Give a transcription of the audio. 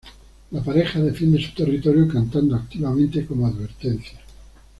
La pareja defiende su territorio cantando, activamente como advertencia.